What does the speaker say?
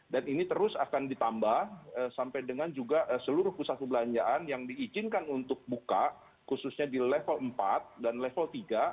dan ini terus akan ditambah sampai dengan juga seluruh pusat pembelanjaan yang diizinkan untuk buka khususnya di level empat dan level tiga